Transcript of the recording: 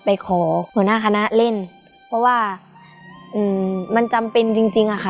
ไปขอหัวหน้าคณะเล่นเพราะว่าอืมมันจำเป็นจริงจริงอะค่ะ